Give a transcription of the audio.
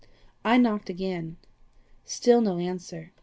I knocked again. Still no answer.